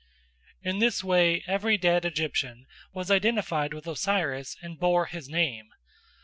In this way every dead Egyptian was identified with Osiris and bore his name.